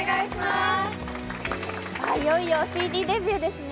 いよいよＣＤデビューですね。